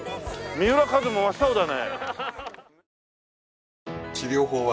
三浦カズも真っ青だね。